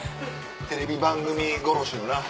テレビ番組殺しのな。